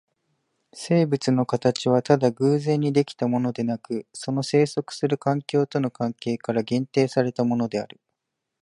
生物の形はただ偶然に出来たものでなく、その棲息する環境との関係から限定されたものである。